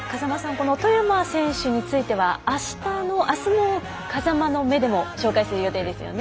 この外山選手についてはあしたの「風間の目」でも紹介する予定ですよね。